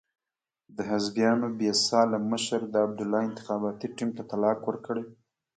د حزبیانو بې سیاله مشر د عبدالله انتخاباتي ټیم ته طلاق ورکړی.